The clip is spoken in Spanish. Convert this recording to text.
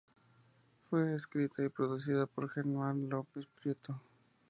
Fue escrita y producida por Germán López Prieto.